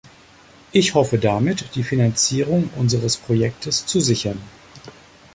Ich hoffe damit die Finanzierung unseres Projektes zu sichern.